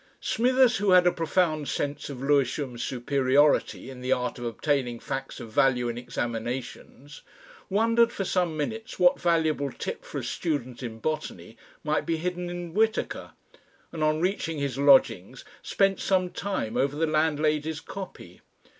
Smithers, who had a profound sense of Lewisham's superiority in the art of obtaining facts of value in examinations, wondered for some minutes what valuable tip for a student in botany might be hidden in Whitaker, and on reaching his lodgings spent some time over the landlady's copy.